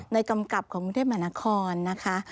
ในกำกับของมุทธแผนครนะคะ